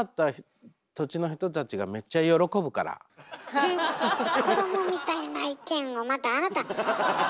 えそのフフッ子どもみたいな意見をまたあなた。